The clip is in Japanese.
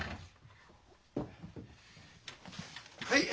はい。